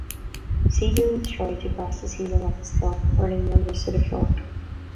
Seagoon strides across the ceiling of his club, hurling members to the floor.